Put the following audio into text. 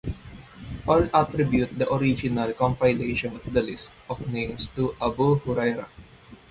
All attribute the original compilation of the list of names to Abu Hurairah.